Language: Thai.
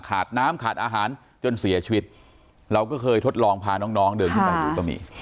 น้ำขาดอาหารจนเสียชีวิตเราก็เคยทดลองพาน้องน้องเดินขึ้นมาดูก็มี